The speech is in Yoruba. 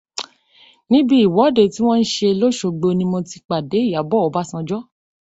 Níbi ìwọ́de tí wọn ń ṣe l‘Óṣogbo ni mo ti pàdé Ìyábọ̀ Ọbásanjọ́